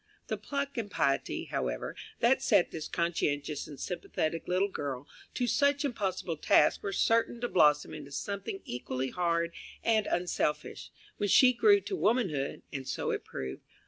The pluck and piety, however, that set this conscientious and sympathetic little girl to such impossible tasks were certain to blossom into something equally hard and unselfish when she grew to womanhood. And so it proved.